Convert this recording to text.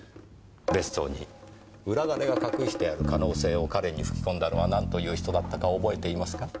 別荘に裏金が隠してある可能性を彼に吹き込んだのは何という人だったか覚えていますか？